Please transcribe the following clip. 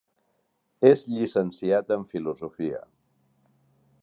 És llicenciat en filosofia.